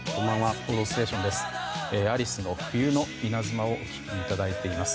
「報道ステーション」です。